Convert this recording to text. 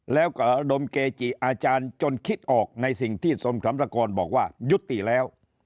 แล้วก็ดมเกจิอาจารย์จนคิดออกในสิ่งที่สมคำประกอบบอกว่ายุติแล้ว